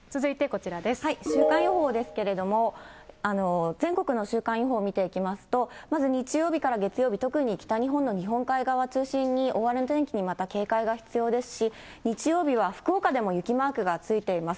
週間予報ですけれども、全国の週間予報見ていきますと、まず日曜日から月曜日、特に北日本の日本海側を中心に大荒れの天気にまた警戒が必要ですし、日曜日は福岡でも雪マークがついています。